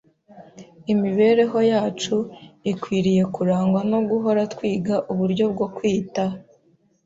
“Imibereho yacu ikwiriye kurangwa no guhora twiga uburyo bwo kwita